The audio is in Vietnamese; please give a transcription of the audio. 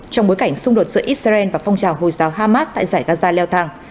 trong bối cảnh xung đột giữa israel và phong trào hồi giáo hamas tại giải gaza leo thang